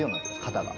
肩が。